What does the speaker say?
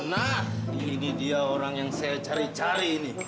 nah ini dia orang yang saya cari cari ini